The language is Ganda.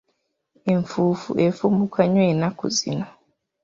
Enfuufu efuumuuka nnyo ennaku zino.